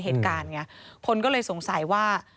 ของมันตกอยู่ด้านนอก